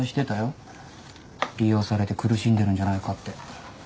利用されて苦しんでるんじゃないかって。